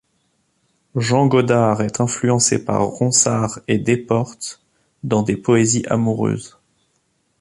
Jean Godard est influencé par Ronsard et Desportes dans ses poésies amoureuses.